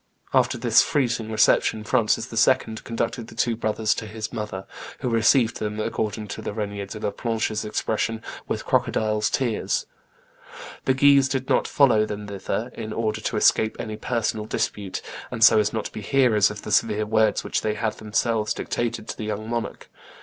After this freezing reception, Francis II. conducted the two brothers to his mother, who received them, according to Regnier de la Planche's expression, 'with crocodile's tears.' The Guises did not follow them thither, in order to escape any personal dispute, and so as not to be hearers of the severe words which they had themselves dictated to the young monarch.